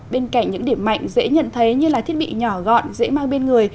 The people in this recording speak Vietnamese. bên cạnh những điểm mạnh dễ nhận thấy như là thiết bị nhỏ gọn dễ mang bên người